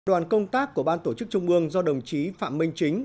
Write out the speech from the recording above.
đoàn công tác của ban tổ chức trung ương do đồng chí phạm minh chính